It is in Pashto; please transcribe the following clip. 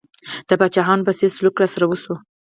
د پاچاهانو په څېر سلوک راسره وشو.